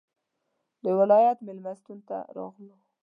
د ولایت مېلمستون ته راغلو.